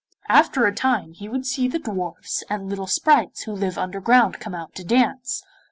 After a time he would see the dwarfs and little sprites who live underground come out to dance.